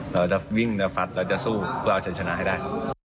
เราจะวิ่งจะฟัดเราจะสู้เพื่อเอาชัยชนะให้ได้